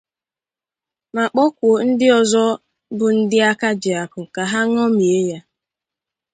ma kpọkuo ndị ọzọ bụ ndị aka ji akụ ka ha ñomie ha